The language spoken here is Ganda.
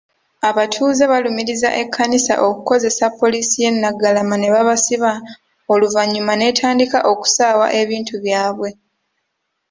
Abatuuze balumiriza Ekkanisa okukozesa poliisi y'e Naggalama ne babasiba oluvannyuma n'etandika okusaawa ebintu byabwe.